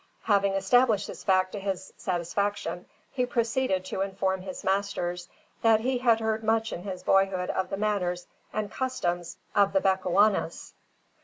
Having established this fact to his satisfaction, he proceeded to inform his masters, that he had heard much in his boyhood of the manners and customs of the Bechuanas.